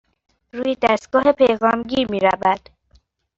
روی دستگاه پیغام گیر می رود.